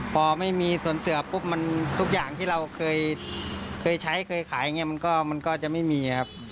พอไม่มีส่วนเสือปุ๊บมันทุกอย่างที่เราเคยใช้เคยขายอย่างนี้มันก็จะไม่มีครับ